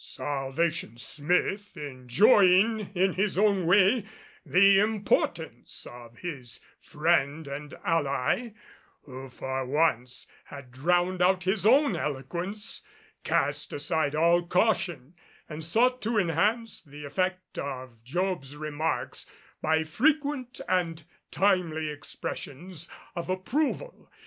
Salvation Smith, enjoying in his own way the importance of his friend and ally, who for once had drowned out his own eloquence, cast aside all caution and sought to enhance the effect of Job's remarks by frequent and timely expressions of approval.